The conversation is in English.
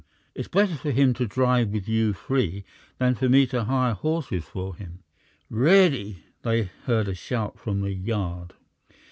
It's better for him to drive with you free than for me to hire horses for him." "Ready!" they heard a shout from the yard.